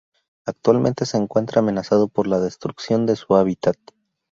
Actualmente se encuentra amenazado por la destrucción de su hábitat.